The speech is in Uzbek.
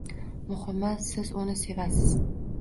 Muhimi, siz uni sevasiz.